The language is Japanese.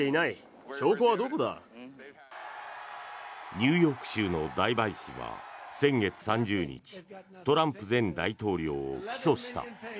ニューヨーク州の大陪審は先月３０日トランプ前大統領を起訴した。